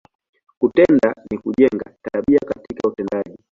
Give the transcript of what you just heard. Kutenda, ni kujenga, tabia katika utendaji.